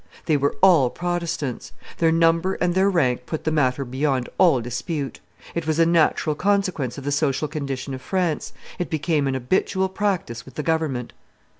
They were all Protestants. Their number and their rank put the matter beyond all dispute; it was a natural consequence of the social condition of France; it became an habitual practice with the government.